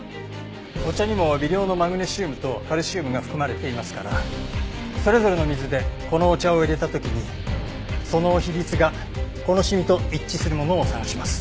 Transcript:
お茶にも微量のマグネシウムとカルシウムが含まれていますからそれぞれの水でこのお茶を淹れた時にその比率がこのシミと一致するものを探します。